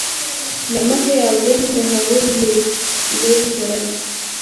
له مخې او ذهنه د هغوی لرې شړل.